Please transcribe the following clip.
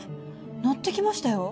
乗ってきましたよ。